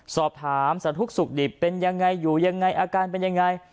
สอบถามสาธุสุขดิบเป็นยังไงอยู่ยังไงอาการเป็นยังไง